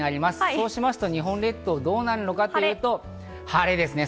そうしますと日本列島どうなるのかと言いますと晴れですね。